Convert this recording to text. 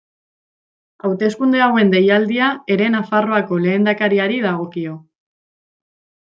Hauteskunde hauen deialdia ere Nafarroako lehendakariari dagokio.